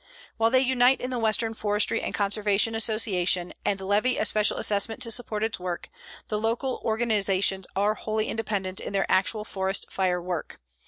While they unite in the Western Forestry and Conservation Association, and levy a special assessment to support its work, the local organizations are wholly independent in their actual forest fire work.